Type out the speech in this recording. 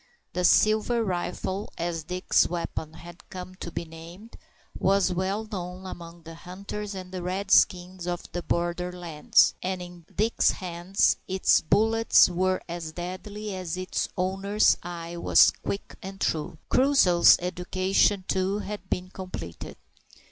The "silver rifle," as Dick's weapon had come to be named, was well known among the hunters and the Redskins of the border lands, and in Dick's hands its bullets were as deadly as its owner's eye was quick and true. Crusoe's education, too, had been completed.